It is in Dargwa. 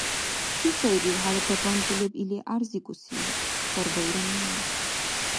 — Чи сайрив хӀела тапанча леб или гӀярзикӀуси? — хьарбаира нуни.